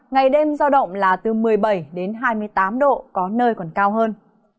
ngày đêm giao động là từ một mươi bảy đến hai mươi tám độ có nơi còn cao hơn